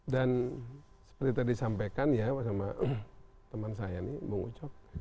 dan seperti tadi disampaikan ya sama teman saya nih bung ucok